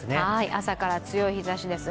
朝から強い日差しですね。